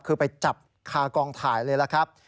คือไปจับคากองถ่ายเลยล่ะครับ